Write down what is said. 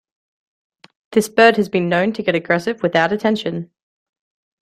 This bird has been known to get aggressive without attention.